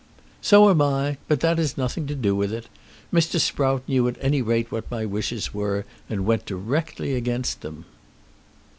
"So am I. But that is nothing to do with it. Mr. Sprout knew at any rate what my wishes were, and went directly against them."